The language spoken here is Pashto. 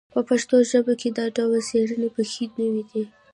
په پښتو ژبه کې دا ډول څېړنې بیخي نوې دي